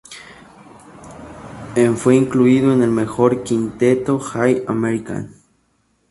En fue incluido en el mejor quinteto All-American.